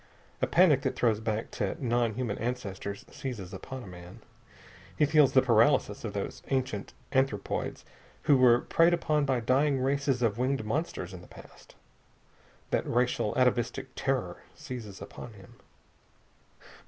A panic that throws back to non human ancestors seizes upon a man. He feels the paralysis of those ancient anthropoids who were preyed upon by dying races of winged monsters in the past. That racial, atavistic terror seizes upon him.